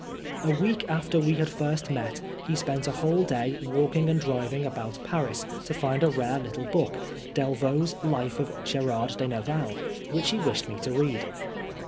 A week after we had first met he spent a whole day walking and driving about Paris to find a rare little book, Delvau's Life of Gerard de Nerval, which he wished me to read.